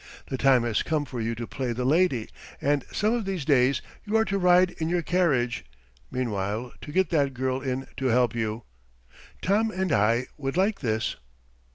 The time has come for you to play the lady and some of these days you are to ride in your carriage; meanwhile do get that girl in to help you. Tom and I would like this."